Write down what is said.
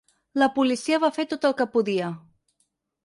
La policia va fer tot el que podia.